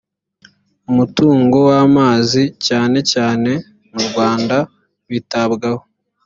umutungo w amazi cyane cyane mu rwanda witabwaho